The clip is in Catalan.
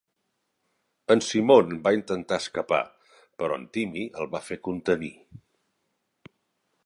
En Simon va intentar escapar, però en Timmy el va contenir.